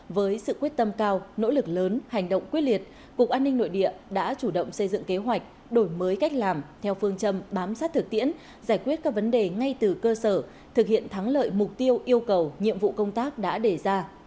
với sự quyết tâm cao nỗ lực lớn hành động quyết liệt cục an ninh nội địa đã chủ động xây dựng kế hoạch đổi mới cách làm theo phương châm bám sát thực tiễn giải quyết các vấn đề ngay từ cơ sở thực hiện thắng lợi mục tiêu yêu cầu nhiệm vụ công tác đã đề ra